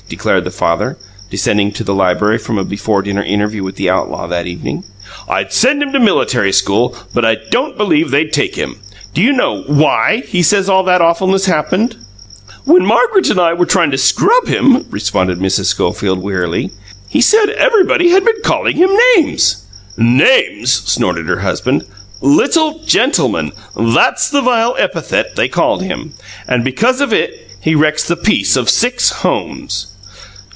declared the father, descending to the library from a before dinner interview with the outlaw, that evening. "I'd send him to military school, but I don't believe they'd take him. Do you know WHY he says all that awfulness happened?" "When Margaret and I were trying to scrub him," responded Mrs. Schofield wearily, "he said 'everybody' had been calling him names." "'Names!'" snorted her husband. "'Little gentleman!' THAT'S the vile epithet they called him! And because of it he wrecks the peace of six homes!"